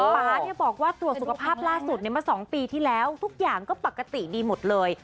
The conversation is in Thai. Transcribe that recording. ป๊าบอกว่าตรวจสุขภาพล่าสุดมา๒ปีที่แล้วทุกอย่างก็ปกติดีหมดเลย